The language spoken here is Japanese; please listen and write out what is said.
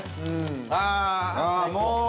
◆ああ、もう。